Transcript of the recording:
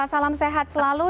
salam sehat selalu